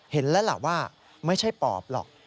เห็นแล้วล่ะว่าไม่ใช่ปอบหรอก